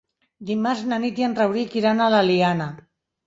Dimarts na Nit i en Rauric iran a l'Eliana.